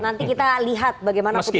nanti kita lihat bagaimana putusan mk nya